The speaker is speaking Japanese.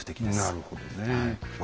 なるほどねえ。